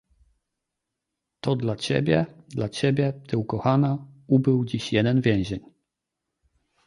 "„To dla ciebie, dla ciebie, ty ukochana, ubył dziś jeden więzień!"